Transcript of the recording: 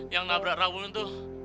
yang nabrak rawun itu